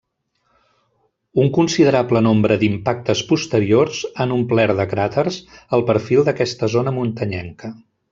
Un considerable nombre d'impactes posteriors han omplert de cràters el perfil d'aquesta zona muntanyenca.